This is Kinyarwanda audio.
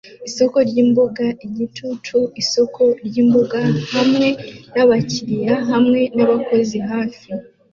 Isoko ryimboga-igicucu isoko ryimboga hamwe nabakiriya hamwe nabakozi hafi